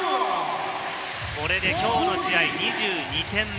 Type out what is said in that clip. これで今日の試合、２２点目。